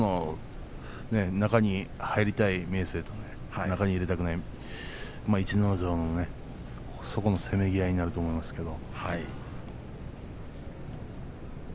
中に入りたい明生と中に入れたくない逸ノ城のせめぎ合いになると思いますけど。